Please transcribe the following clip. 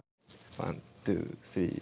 ワンツースリーフォー。